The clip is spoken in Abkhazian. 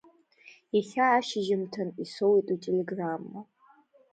Иахьа ашьжьымҭан исоуит утелеграмма.